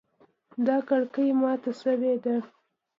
دا کړکۍ ماته شوې ده